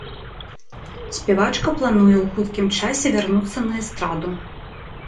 Спявачка плануе ў хуткім часе вярнуцца на эстраду.